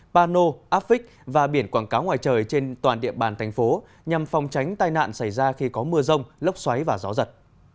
pano affic và biển quảng cáo ngoài trời trên toàn địa bàn thành phố nhằm phòng tránh tai nạn xảy ra khi có mưa rông lốc xoáy và gió giật